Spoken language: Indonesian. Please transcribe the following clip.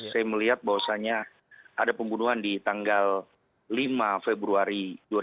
saya melihat bahwasannya ada pembunuhan di tanggal lima februari dua ribu dua puluh